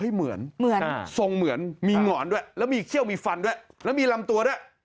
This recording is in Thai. เหมือนเหมือนทรงเหมือนมีหงอนด้วยแล้วมีเขี้ยวมีฟันด้วยแล้วมีลำตัวด้วย